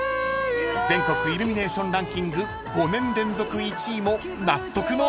［全国イルミネーションランキング５年連続１位も納得の光景］